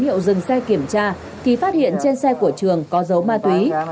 khi tổ tuần tra tín hiệu dừng xe kiểm tra thì phát hiện trên xe của trường có dấu ma túy